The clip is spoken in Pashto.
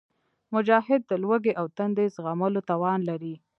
مجاهد د لوږې او تندې زغملو توان لري.